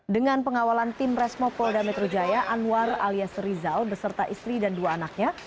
dengan pengawalan tim resmo polda metro jaya anwar alias rizal beserta istri dan dua anaknya